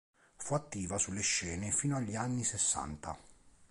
Fu attiva sulle scene fino agli anni sessanta,